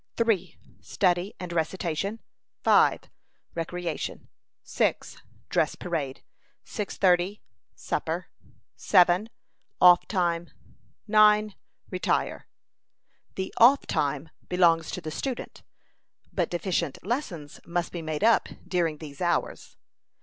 3 " Study and Recitation. 5 " Recreation. 6 " Dress Parade. 6.30 " Supper. 7 " Off Time. 9 " Retire. The 'Off Time' belongs to the student; but deficient lessons must be made up during these hours.